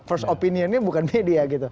first opinion ini bukan media gitu